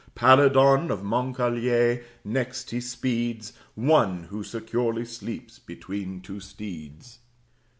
Palidon of Moncalier next he speeds; One who securely sleeps between two steeds.